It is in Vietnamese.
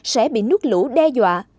sẽ bị nút lũ đe dọa